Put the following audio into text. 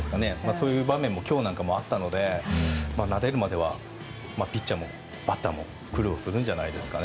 そういう場面も今日なんかもあったので慣れるまではピッチャーもバッターも苦労するんじゃないですかね。